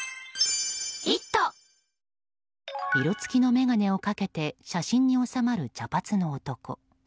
色付きの眼鏡をかけて写真に納まる茶髪の男。